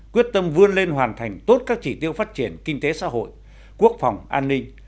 quyết tâm vươn lên hoàn thành tốt các chỉ tiêu phát triển kinh tế xã hội quốc phòng an ninh